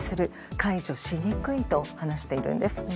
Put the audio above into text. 解除しにくいと話しているんです。